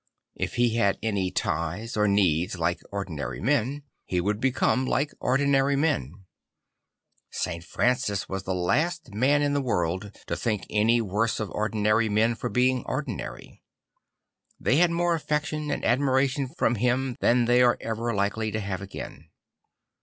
If he had any ties or needs like ordinary men, he would become like ordinary men. St. Francis was the last man in the world to think any the worse of ordinary men for being ordinary. They had more affection and admiration from him than they are ever likely to have again.